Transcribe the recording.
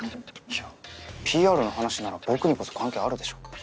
いやＰＲの話なら僕にこそ関係あるでしょ。